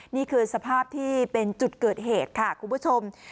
นี่คือสภาพที่เป็นจุดเกิดเหตุค่ะคุณผู้ชม